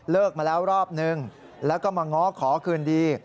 มาแล้วรอบนึงแล้วก็มาง้อขอคืนดี